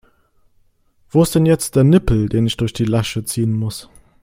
Wo ist denn jetzt der Nippel, den ich durch die Lasche ziehen muss?